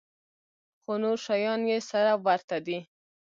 خو نور شيان يې سره ورته دي.